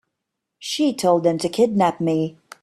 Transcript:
She told them to kidnap me.